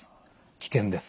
危険です。